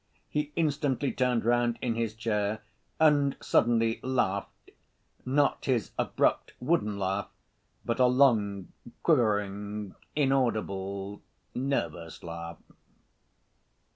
He instantly turned round in his chair, and suddenly laughed, not his abrupt wooden laugh, but a long, quivering, inaudible nervous laugh.